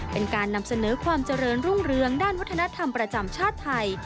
เป็นการนำเสนอความเจริญรุ่งเรืองด้านวัฒนธรรมประจำชาติไทย